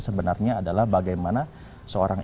sebenarnya adalah bagaimana seorang